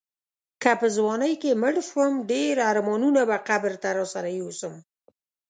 که په ځوانۍ کې مړ شوم ډېر ارمانونه به قبر ته راسره یوسم.